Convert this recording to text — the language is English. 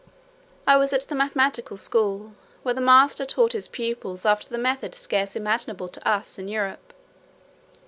I was at the mathematical school, where the master taught his pupils after a method scarce imaginable to us in Europe.